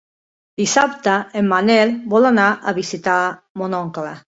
Dissabte en Manel vol anar a visitar mon oncle.